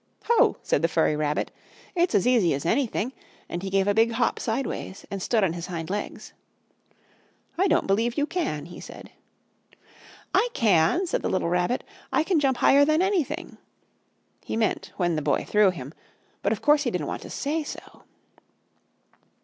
"Ho!" said the furry rabbit. "It's as easy as anything," And he gave a big hop sideways and stood on his hind legs. "I don't believe you can!" he said. "I can!" said the little Rabbit. "I can jump higher than anything!" He meant when the Boy threw him, but of course he didn't want to say so.